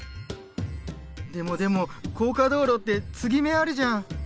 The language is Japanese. でもでも高架道路って継ぎ目あるじゃん。